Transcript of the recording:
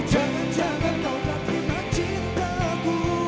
jangan jangan kau tak terima cintaku